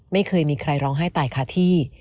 ไม่เคยมีใครร้องไห้ตายคาที่